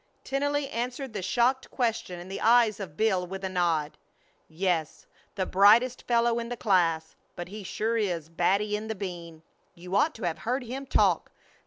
Tennelly answered the shocked question in the eyes of Bill with a nod. "Yes, the brightest fellow in the class, but he sure is batty in the bean! You ought to have heard him talk.